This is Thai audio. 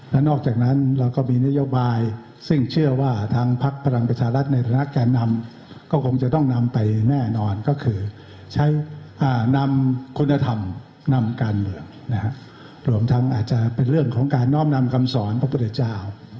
และนอกจากนั้นเรามีนโยบายซึ่งเชื่อว่าทางพลักษณ์พลังประชาลัทธุ์ในฐางนักแก่นำ